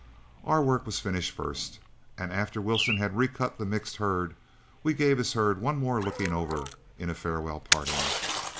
Our work was finished first, and after Wilson had recut the mixed herd, we gave his herd one more looking over in a farewell parting.